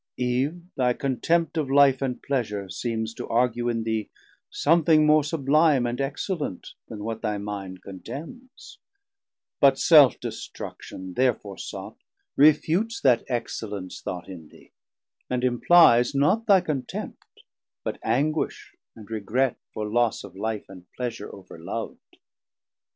Eve, thy contempt of life and pleasure seems To argue in thee somthing more sublime And excellent then what thy minde contemnes; But self destruction therefore saught, refutes That excellence thought in thee, and implies, Not thy contempt, but anguish and regret For loss of life and pleasure overlov'd.